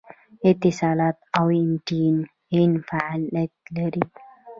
اتصالات او ایم ټي این فعالیت لري